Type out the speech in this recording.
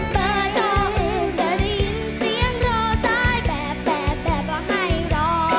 เบอร์ทออื่นจะได้ยินเสียงรอซ้ายแบบแบบแบบว่าให้รอ